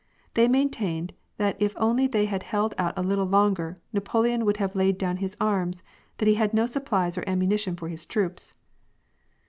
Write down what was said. They maintained that if only they had held out a little longer, Napoleon would have laid down his arms, that he had no supplies or ammunition for his troops.